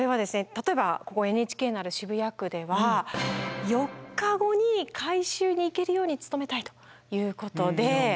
例えばここＮＨＫのある渋谷区では４日後に回収に行けるように努めたいということで。